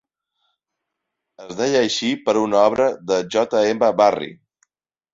Es deia així per una obra de J.M. Barrie.